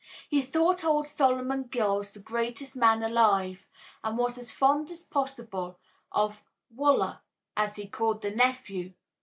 He thought old Solomon Gills the greatest man alive, and was as fond as possible of "Wal'r," as he called the nephew.